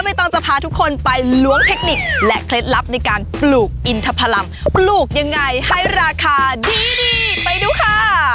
ต้องจะพาทุกคนไปล้วงเทคนิคและเคล็ดลับในการปลูกอินทพลัมปลูกยังไงให้ราคาดีไปดูค่ะ